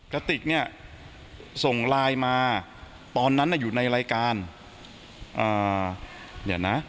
กระติกเนี่ยส่งไลน์มาตอนนั้นน่ะอยู่ในรายการเดี๋ยวนะ